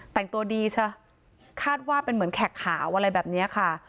แต่งตัวดีใช่คาดว่าเป็นเหมือนแขกขาวอะไรแบบนี้ค่ะ